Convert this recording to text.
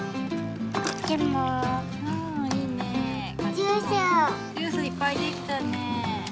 ジュースいっぱいできたねえ。